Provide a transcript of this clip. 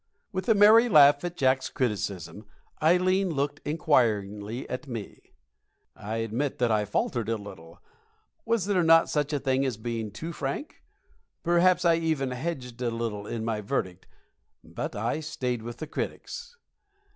With a merry laugh at Jacks' criticism, Ileen looked inquiringly at me. I admit that I faltered a little. Was there not such a thing as being too frank? Perhaps I even hedged a little in my verdict; but I stayed with the critics.